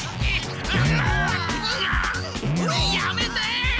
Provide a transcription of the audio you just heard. やめて！